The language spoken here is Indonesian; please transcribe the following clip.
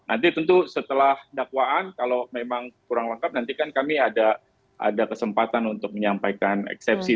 nanti tentu setelah dakwaan kalau memang kurang lengkap nanti kan kami ada kesempatan untuk menyampaikan eksepsi